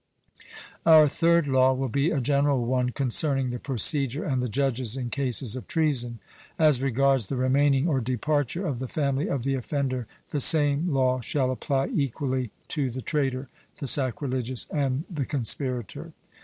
Our third law will be a general one, concerning the procedure and the judges in cases of treason. As regards the remaining or departure of the family of the offender, the same law shall apply equally to the traitor, the sacrilegious, and the conspirator.